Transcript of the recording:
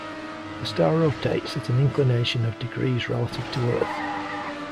The star rotates at an inclination of degrees relative to Earth.